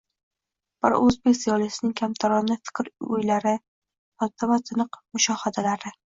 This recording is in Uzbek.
bir o‘zbek ziyolisining kamtarona fikr-uylari, sodda va tiniq mushohadalari